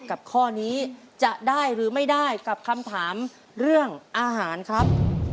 กับข้อนี้จะได้หรือไม่ได้กับคำถามเรื่องอาหารครับ